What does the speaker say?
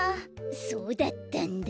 そうだったんだ。